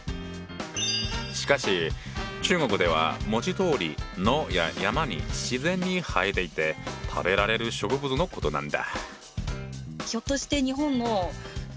しかし中国では文字どおり野や山に自然に生えていて食べられる植物のことなんだ。